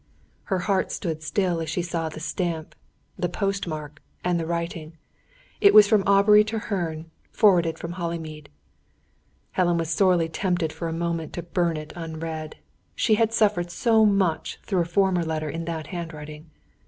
Her heart stood still as she saw the stamp, the post mark, and the writing. It was from Aubrey Treherne, forwarded from Hollymead. Helen was sorely tempted for a moment to burn it unread. She had suffered so much through a former letter in that handwriting.